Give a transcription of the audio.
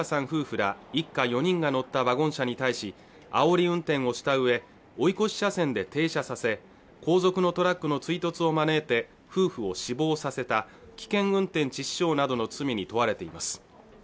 夫婦ら一家４人が乗ったワゴン車に対しあおり運転をしたうえ追い越し車線で停車させ後続のトラックの追突を招いて夫婦を死亡させた危険運転致死傷などの罪に問われています